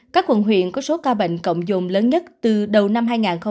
các quận huyện có số ca bệnh cộng dồn lớn nhất từ đầu năm hai nghìn hai mươi ba